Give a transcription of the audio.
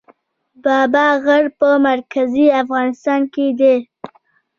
بابا غر په مرکزي افغانستان کې دی